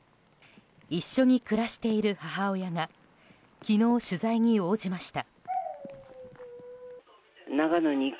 一緒に暮らしている母親が昨日、取材に応じました。